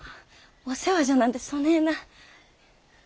あお世話じゃなんてそねえな。